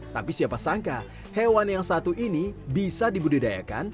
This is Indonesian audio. tapi siapa sangka hewan yang satu ini bisa dibudidayakan